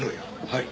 はい。